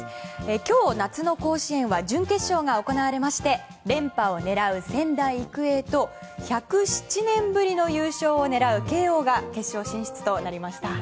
今日、夏の甲子園は準決勝が行われまして連覇を狙う仙台育英と１０７年ぶりの優勝を狙う慶應が決勝進出となりました。